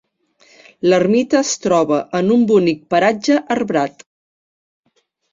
L'ermita es troba en un bonic paratge arbrat.